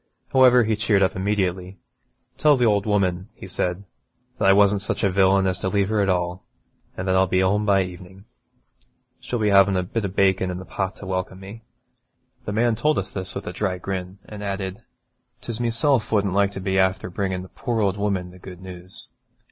However, he cheered up immediately: 'Tell th' ould woman,' he said, 'that I wasn't such a villain as to leave her at all, at all, an' that I'll be home by evenin'. She'll be havin' a bit o' bacon in the pot to welcome me.' The man told us this with a dry grin, and added, ''Tis meself wouldn't like to be afther bringin' the poor ould woman the good news.